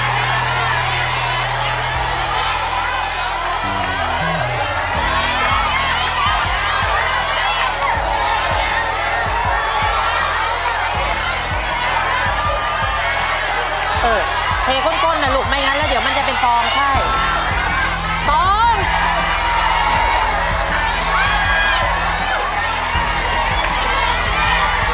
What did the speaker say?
เฮ้คนคนอ่ะลูกไม่งั้นแล้วเดี๋ยวมันจะเป็นฟองใช่